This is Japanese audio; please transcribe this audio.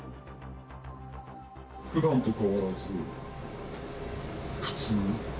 ふだんと変わらず、普通。